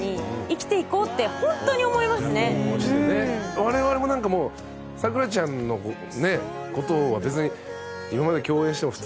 我々もなんかもう咲楽ちゃんの事は別に今まで共演しても普通。